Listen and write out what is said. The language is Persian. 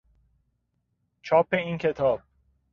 چاپ این کتاب